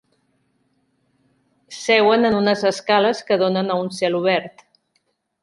Seuen en unes escales que donen a un celobert.